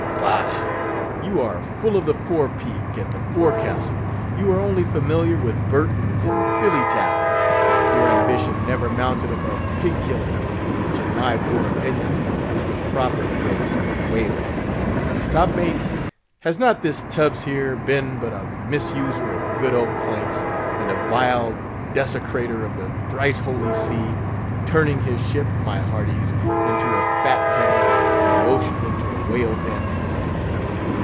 Bah! you are full of the fore peak and the forecastle; you are only familiar with Burtons and Billy tackles; your ambition never mounted above pig killing! which, in my poor opinion, is the proper phrase for whaling! Topmates! has not this Tubbs here been but a misuser of good oak planks, and a vile desecrator of the thrice holy sea? turning his ship, my hearties! into a fat kettle, and the ocean into a whale pen?